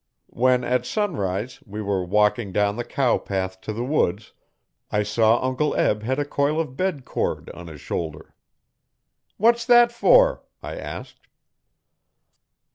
When, at sunrise, we were walking down the cow path to the woods I saw Uncle Eb had a coil of bed cord on his shoulder. 'What's that for?' I asked.